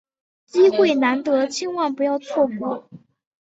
机会难得，千万不要错过！